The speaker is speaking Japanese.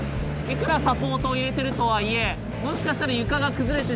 いくらサポートを入れてるとはいえもしかしたら床が崩れてしまう。